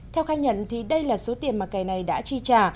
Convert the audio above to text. theo khai nhận đây là số tiền mà kẻ này đã chi trả